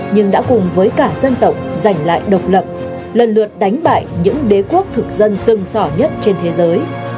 nhưng đã cùng với cả dân tộc giành lại độc lập lần lượt đánh bại những đế quốc thực dân sưng sỏ nhất trên thế giới